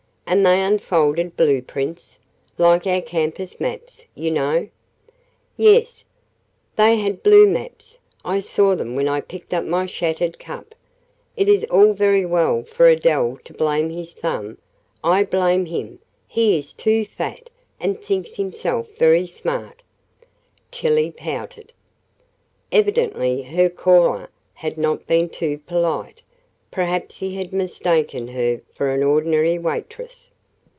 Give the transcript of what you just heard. "And they unfolded blueprints? Like our campus maps, you know?" "Yes, they had blue maps; I saw them when I picked up my shattered cup. It is all very well for Adele to blame his thumb; I blame him he is too fat, and thinks himself very smart." Tillie pouted. Evidently her caller had not been too polite, perhaps he had mistaken her for an ordinary waitress.